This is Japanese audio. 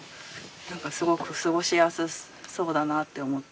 何かすごく過ごしやすそうだなあって思って。